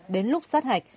đến lúc sát hạch